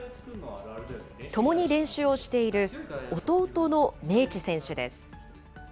ともに練習をしている弟の明智選手です。